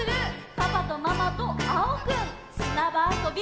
「パパとママとあおくん」「すなばあそび」